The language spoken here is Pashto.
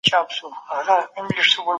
د مطالعې وده د سانسور په واسطه ټکنۍ سوې ده.